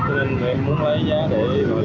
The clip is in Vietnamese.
cho nên tụi em muốn lấy giá để